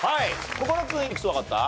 心君いくつわかった？